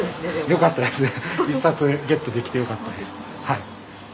よかったですね。